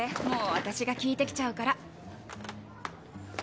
もう私が聞いてきちゃうから。